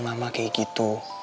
mama kayak gitu